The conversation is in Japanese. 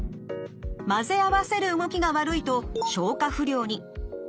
混ぜ合わせる動きが悪いと消化不良に。